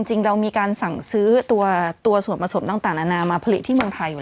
จริงเรามีการสั่งซื้อตัวส่วนผสมต่างนานามาผลิตที่เมืองไทยอยู่